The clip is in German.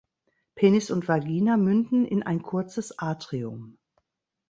Penis und Vagina münden in ein kurzes Atrium.